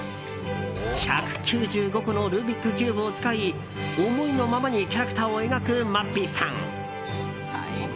１９５個のルービックキューブを使い思いのままにキャラクターを描くまっぴーさん。